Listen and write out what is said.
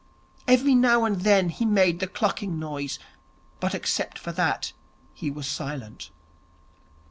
Every now and then he made the clucking noise, but except for that he was silent.